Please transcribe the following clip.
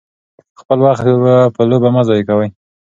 خپل وخت په لوبو مه ضایع کوئ.